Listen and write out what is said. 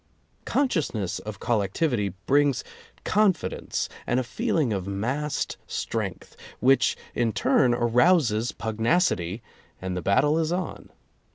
Consciousness of collectivity brings confidence and a feeling of massed strength, which in turn arouses pugnacity and the battle is on.